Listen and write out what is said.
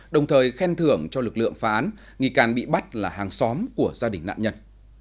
đồng thời khen thưởng cho lực lượng phá án nghi can bị bắt là hàng xóm của gia đình nạn nhân